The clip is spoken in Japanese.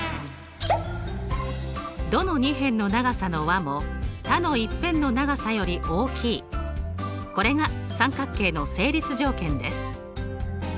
どの２辺の長さの和も他の１辺の長さより大きいこれが三角形の成立条件です。